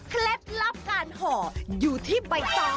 เคล็ดรับการหออยู่ที่ใบตอง